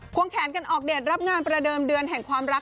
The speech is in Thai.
วงแขนกันออกเดทรับงานประเดิมเดือนแห่งความรัก